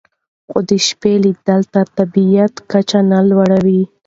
خو د شپې لید تر طبیعي کچې نه لوړوي.